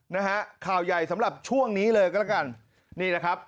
นะฮะข่าวใหญ่สำหรับช่วงนี้เลยก็แล้วกันนี่แหละครับ